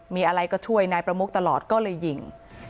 มีอะไรก็ช่วยนายประมุกตลอดก็เลยยิง